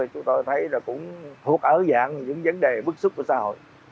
chúng tôi thấy là cũng thuộc ở dạng những vấn đề bức xúc của xã hội